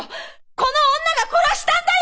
この女が殺したんだよ！